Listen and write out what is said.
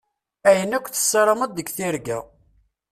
Ayen akk tessarameḍ deg tirga.